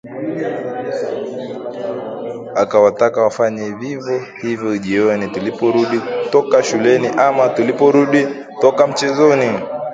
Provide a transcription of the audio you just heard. Akawataka wafanye vivyo hivyo jioni tuliporudi toka shuleni ama tuliporudi toka michezoni